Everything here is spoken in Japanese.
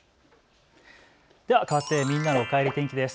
ではかわってみんなのおかえり天気です。